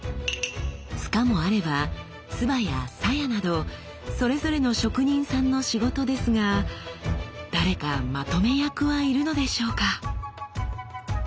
柄もあれば鐔や鞘などそれぞれの職人さんの仕事ですが誰かまとめ役はいるのでしょうか？